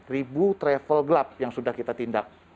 ribu travel glab yang sudah kita tindak